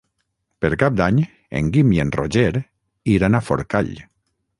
Per Cap d'Any en Guim i en Roger iran a Forcall.